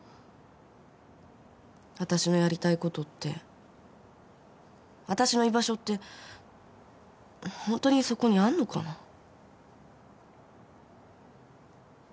私のやりたいことって私の居場所ってホントにそこにあんのかな？